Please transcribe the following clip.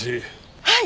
はい。